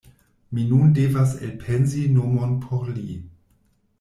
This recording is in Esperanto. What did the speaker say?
Mi nun devas elpensi nomon por li.